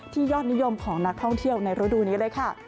ยอดนิยมของนักท่องเที่ยวในฤดูนี้เลยค่ะ